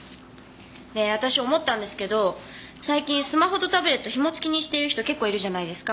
で私思ったんですけど最近スマホとタブレットひも付きにしている人結構いるじゃないですか。